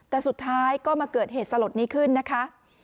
แต่สุดท้ายก็มาเกิดเหตุสลดนี้ขึ้นนะคะ